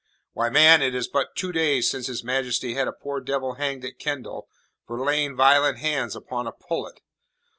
Why, man, it is but two days since His Majesty had a poor devil hanged at Kendal for laying violent hands upon a pullet.